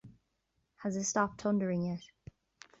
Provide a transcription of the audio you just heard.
Has it stopped thundering yet?